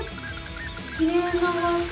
きれいな場しょ！